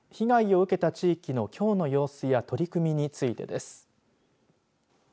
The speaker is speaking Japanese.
被害を受けた地域のきょうの様子や取り組みについてです。